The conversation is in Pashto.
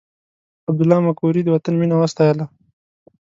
عبدالله مقري د وطن مینه وستایله.